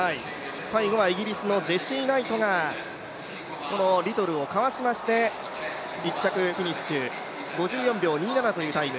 最後はイギリスのジェシー・ナイトがこのリトルをかわしまして１着フィニッシュ、５４秒２７というタイム。